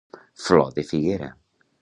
Flor de figuera.